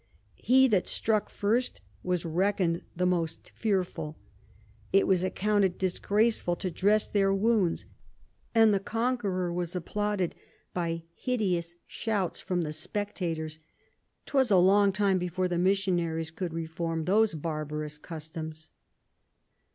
He that struck first was reckon'd the most fearful: It was accounted disgraceful to dress their Wounds, and the Conqueror was applauded by hideous Shouts from the Spectators. 'Twas a long time before the Missionaries could reform those barbarous Customs.